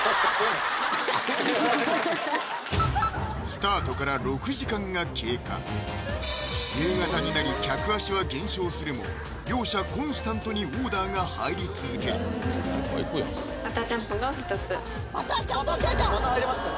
スタートから６時間が経過夕方になり客足は減少するも両者コンスタントにオーダーが入り続けるバターちゃんぽん出た！